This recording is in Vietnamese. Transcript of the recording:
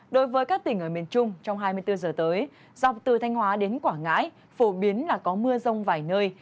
đối với các tỉnh ở miền trung trong hai mươi bốn giờ tới dọc từ thanh hóa đến quảng ngãi phổ biến là có mưa rông vài nơi